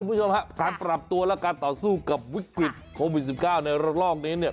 คุณผู้ชมครับการปรับตัวและการต่อสู้กับวิกฤตโควิด๑๙ในระลอกนี้เนี่ย